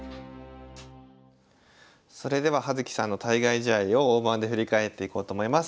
それでは葉月さんの対外試合を大盤で振り返っていこうと思います。